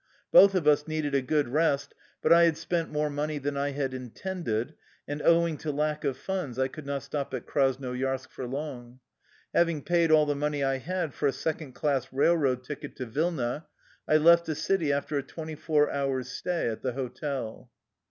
Both of us needed a good rest, but I had spent more money than I had intended, and owing to lack of funds, I could not stop at Krasnoyarsk for long. Hav ing paid all the money I had for a second class railroad ticket to Vilna, I left the city after a twenty four hours' stay at the hotel.